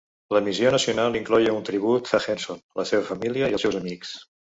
L"emissió nacional incloïa un tribut a Henson, la seva família i els seus amics.